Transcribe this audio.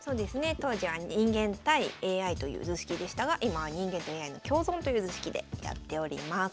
当時は人間対ＡＩという図式でしたが今は人間とＡＩの共存という図式でやっております。